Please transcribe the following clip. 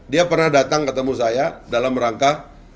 dia pernah datang ketemu saya dalam rangka